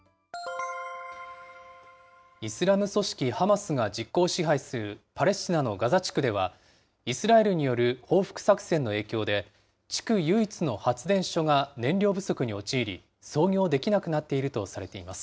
イスラム組織ハマスが実効支配するパレスチナのガザ地区では、イスラエルによる報復作戦の影響で、地区唯一の発電所が燃料不足に陥り、操業できなくなっているとされています。